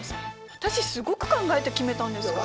私すごく考えて決めたんですから。